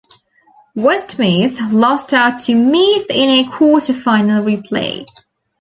Westmeath lost out to Meath in a quarter-final replay.